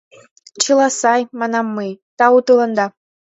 — Чыла сай, — манам мый, — тау тыланда.